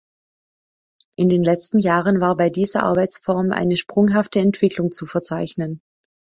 In den letzten Jahren war bei dieser Arbeitsform eine sprunghafte Entwicklung zu verzeichnen.